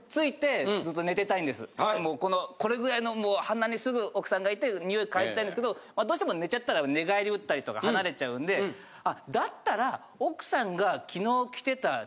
もうこのこれぐらいの鼻にすぐ奥さんがいて匂い嗅いでいたいんですけどどうしても寝ちゃったら寝返りうったりとか離れちゃうんでだったら。